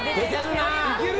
いける？